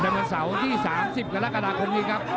ดำเมตเสาที่สามสิบกำลังเเฐาะคงเป็นครับ